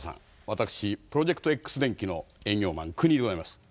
私プロジェクトＸ電器の営業マン国井でございます。